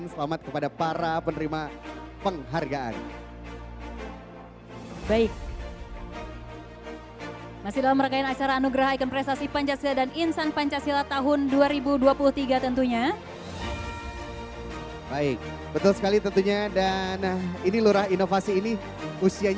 siapakah yang akan mendapat penghargaan